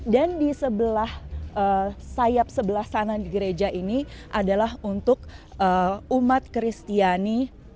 di sebelah sayap sebelah sana di gereja ini adalah untuk umat kristiani